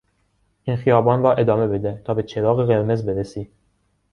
این خیابان را ادامه بده تا به چراغ قرمز برسی.